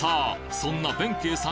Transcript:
そんな弁慶さん